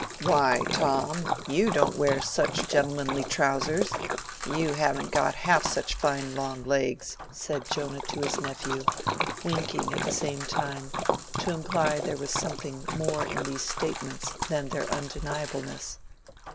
"Why, Tom, you don't wear such gentlemanly trousers—you haven't got half such fine long legs," said Jonah to his nephew, winking at the same time, to imply that there was something more in these statements than their undeniableness.